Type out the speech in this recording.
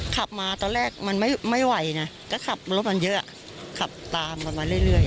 ขับมาตอนแรกมันไม่ไหวนะก็ขับรถมันเยอะขับตามกันมาเรื่อย